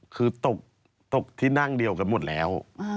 คือตกที่นั่งเดียวกันหมดแล้ว